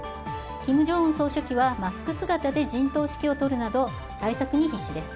金正恩総書記はマスク姿で陣頭指揮を執るなど対策に必死です。